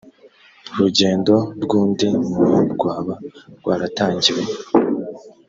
rugendo rw undi muntu rwaba rwaratangiwe